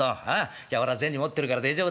今日は俺銭持ってるから大丈夫だ。